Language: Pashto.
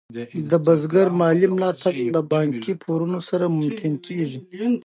د بزګر مالي ملاتړ له بانکي پورونو سره ممکن کېږي.